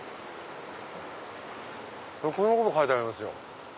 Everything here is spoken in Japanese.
こんなこと書いてありますよ